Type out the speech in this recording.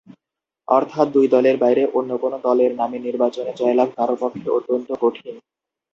অর্থাৎ দুই দলের বাইরে অন্য কোনো দলের নামে নির্বাচনে জয়লাভ কারো পক্ষে অত্যন্ত কঠিন।